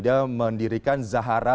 dia mendirikan zahara